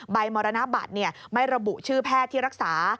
มรณบัตรไม่ระบุชื่อแพทย์ที่รักษา